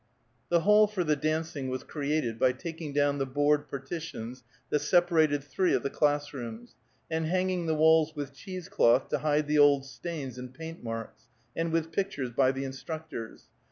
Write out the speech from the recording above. The hall for the dancing was created by taking down the board partitions that separated three of the class rooms; and hanging the walls with cheese cloth to hide the old stains and paint marks, and with pictures by the instructors.